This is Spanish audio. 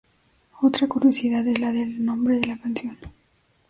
Otra curiosidad es la del nombre de la canción.